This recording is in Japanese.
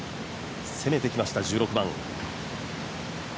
攻めてきました、１６番。